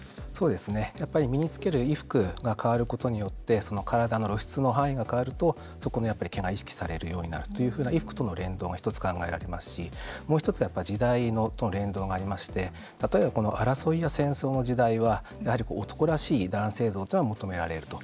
やっぱり身に着ける衣服が変わることによって体の露出の範囲が変わるとそこの毛が意識されるようになるというふうな、衣服との連動が１つ考えられますしもう一つ、やっぱり時代との連動がありまして例えば、争いや戦争の時代はやはり男らしい男性像というのが求められると。